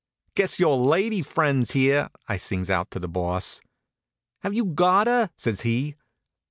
"Guess your lady friend's here," I sings out to the Boss. "Have you got her?" says he.